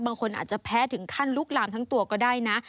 บางคนอาจจะแพ้ถึงขั้นลุกลามทั้งตัวก็ได้นะ